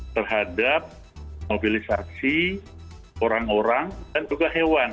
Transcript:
terhadap mobilisasi orang orang dan juga hewan